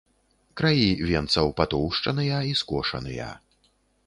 Краі венцаў патоўшчаныя і скошаныя.